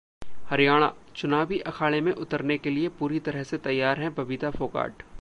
हरियाणा: चुनावी अखाड़े में उतरने के लिए पूरी तरह से तैयार हैं बबीता फोगाट